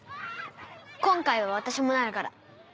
今回は私もなるから。